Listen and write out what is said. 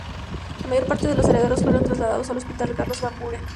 La mayor parte de los heridos fueron trasladados al Hospital Carlos Van Buren.